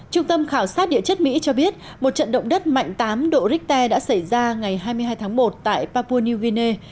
trung tâm khảo sát địa chất mỹ cho biết một trận động đất mạnh tám độ richter đã xảy ra ngày hai mươi hai tháng một tại papua new guinea